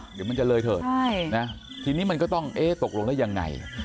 เดี๋ยวมันจะเลยเถิดทีนี้มันก็ต้องเอ๊ะตกลงแล้วยังไง